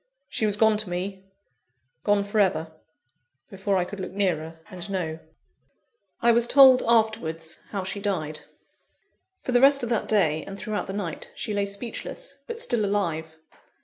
She was gone to me, gone for ever before I could look nearer, and know. I was told, afterwards, how she died. For the rest of that day, and throughout the night, she lay speechless, but still alive.